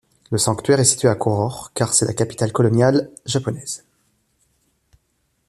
Le sanctuaire est situé à Koror, car c'est la capitale coloniale japonaise.